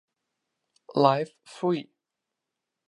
Live Free.